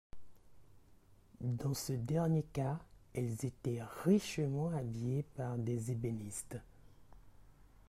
Dans ce dernier cas, elles étaient richement habillées par des ébénistes.